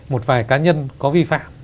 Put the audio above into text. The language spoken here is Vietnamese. một vài cá nhân có vi phạm